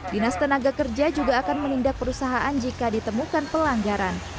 dinas tenaga kerja juga akan menindak perusahaan jika ditemukan pelanggaran